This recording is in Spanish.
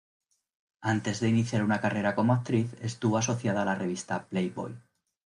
Antes de iniciar una carrera como actriz estuvo asociada a la revista "Playboy".